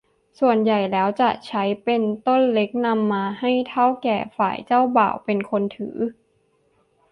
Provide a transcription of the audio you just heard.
ส่วนใหญ่แล้วจะใช้เป็นต้นเล็กนำมาให้เถ้าแก่ฝ่ายเจ้าบ่าวเป็นคนถือ